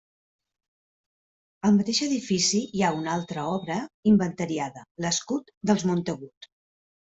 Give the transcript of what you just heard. Al mateix edifici hi ha una altra obra inventariada, l'Escut dels Montagut.